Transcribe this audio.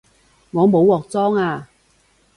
我冇鑊裝吖